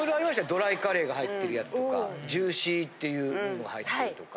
ドライカレーが入ってるやつとかジューシーっていうものが入ってたりとか。